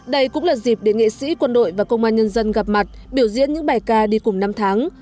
đây cũng là dịp để nghệ sĩ quân đội và công an nhân dân gặp mặt biểu diễn những bài ca đi cùng năm tháng